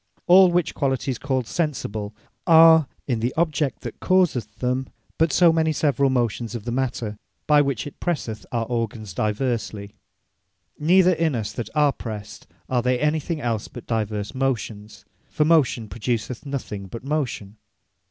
All which qualities called Sensible, are in the object that causeth them, but so many several motions of the matter, by which it presseth our organs diversly. Neither in us that are pressed, are they anything els, but divers motions; (for motion, produceth nothing but motion.)